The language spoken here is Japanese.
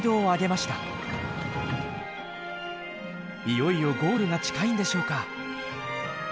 いよいよゴールが近いんでしょうか？